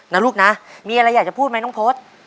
นะลูกนะมีอะไรอยากจะพูดไหมน้องพศ